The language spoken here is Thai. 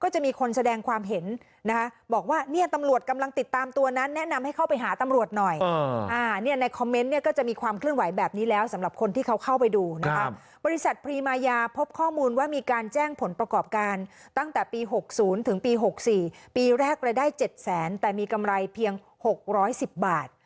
จากปี๖๐ถึงปี๖๔ปีแรกรายได้๗๐๐๐๐๐แต่มีกำไรเพียง๖๑๐บาท